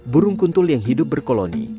burung kuntul yang hidup berkoloni